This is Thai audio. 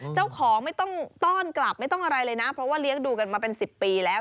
เจ้าของไม่ต้องต้อนกลับไม่ต้องอะไรเลยนะเพราะว่าเลี้ยงดูกันมาเป็น๑๐ปีแล้ว